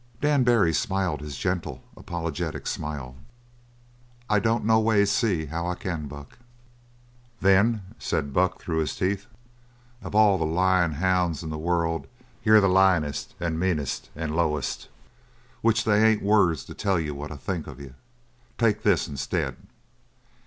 Dan Barry smiled his gentle, apologetic smile. "I don't no ways see how I can, Buck." "Then," said Buck through his teeth, "of all the lyin' hounds in the world you're the lyin'est and meanest and lowest. Which they ain't words to tell you what I think of you. Take this instead!"